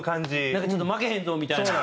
なんかちょっと負けへんぞみたいな。